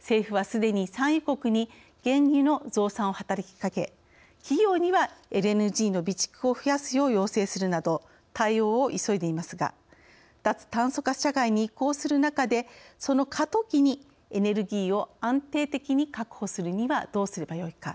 政府はすでに産油国に原油の増産を働きかけ企業にはＬＮＧの備蓄を増やすよう要請するなど対応を急いでいますが脱炭素化社会に移行する中でその過渡期にエネルギーを安定的に確保するにはどうすればよいか。